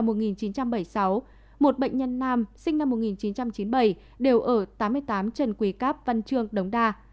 một bệnh nhân nam sinh năm một nghìn chín trăm chín mươi bảy đều ở tám mươi tám trần quý cáp văn trương đống đa